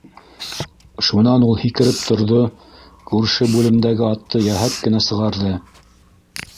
- Шунан ул һикереп торҙо, күрше бүлемдәге атты йәһәт кенә сығарҙы.